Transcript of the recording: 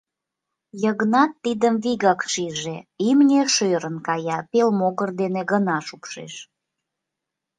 Йыгнат тидым вигак шиже: имне шӧрын кая, пел могыр дене гына шупшеш.